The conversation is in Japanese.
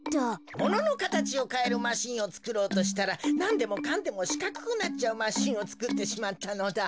もののかたちをかえるマシンをつくろうとしたらなんでもかんでもしかくくなっちゃうマシンをつくってしまったのだ。